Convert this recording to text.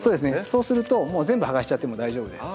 そうするともう全部剥がしちゃっても大丈夫です。